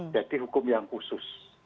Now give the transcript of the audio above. jadi hukum yang khusus